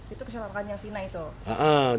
itu kecelakaan yang fina itu